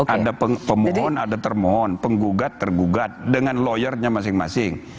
ada pemohon ada termohon penggugat tergugat dengan lawyernya masing masing